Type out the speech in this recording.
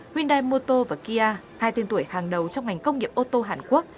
hyundai motor và kia hai tên tuổi hàng đầu trong ngành công nghiệp ô tô hàn quốc